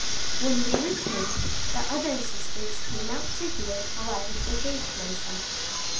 When we returned, the other sisters came out to hear how I had behaved myself.